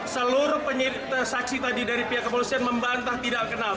seluruh saksi tadi dari pihak kepolisian membantah tidak kenal